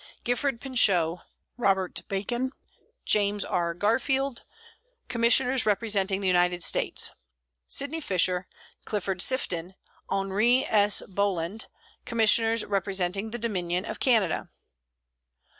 GIFFORD PINCHOT, ROBERT BACON, JAMES R. GARFIELD, Commissioners representing the United States. SYDNEY FISHER, CLIFFORD SIFTON, HENRI S. BOLAND, Commissioners representing the Dominion of Canada.